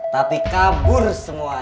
tapi kabur semuanya